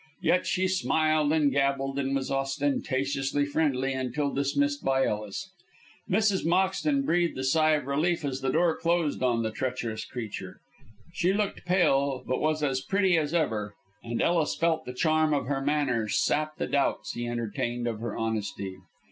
Yet she smiled and gabbled, and was ostentatiously friendly until dismissed by Ellis. Mrs. Moxton breathed a sigh of relief as the door closed on the treacherous creature. She looked pale, but was as pretty as ever, and Ellis felt the charm of her manner sap the doubts he entertained of her honesty.